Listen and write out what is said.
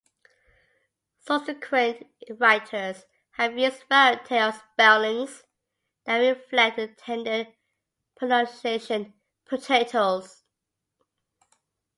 Subsequent writers have used a variety of spellings that reflect the intended pronunciation, "Potatoes".